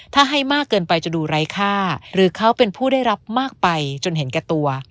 ถ้าให้มากเกินไปจะดูไร้ค่าหรือเขาเป็นผู้ได้รับมากไปจนเห็นแก่ตัว